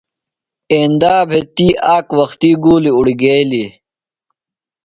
ایندا بھےۡ تی آک وختی گُولیۡ اُڑیگیلیۡ۔